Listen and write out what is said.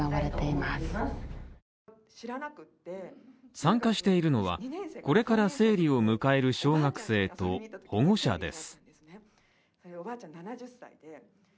参加しているのは、これから生理を迎える小学生と保護者です。